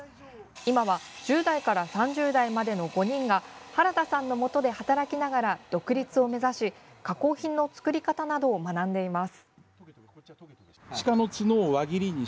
今は１０代から３０代までの５人が原田さんのもとで働きながら独立を目指し加工品の作り方などを学んでいます。